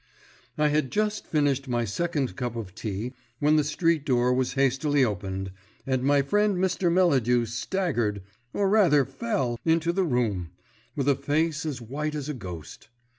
I had just finished my second cup of tea when the street door was hastily opened, and my friend Mr. Melladew staggered, or rather fell, into the room, with a face as white as a ghost.